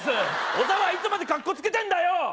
小沢いつまでカッコつけてんだよ！